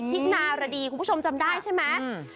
คนนารดีคุณผู้ชมจำได้ใช่ไหม